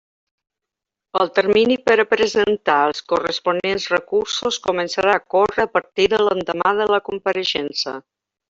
El termini per a presentar els corresponents recursos començarà a córrer a partir de l'endemà de la compareixença.